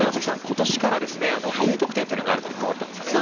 今年からですねＡ得点というのが新たに加わったんですよね。